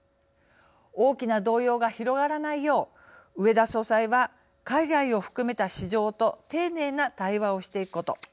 大きな動揺が広がらないよう植田総裁は海外を含めた市場と丁寧な対話をしていくこと。